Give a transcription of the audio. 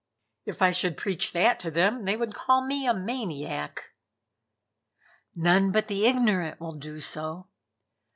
"If I should preach that to them, they would call me a maniac." "None but the ignorant will do so.